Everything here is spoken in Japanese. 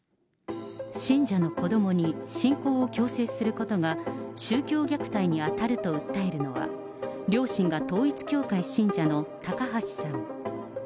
信者の子どもに信仰を強制することが宗教虐待に当たると訴えるのは、両親が統一教会信者の高橋さん。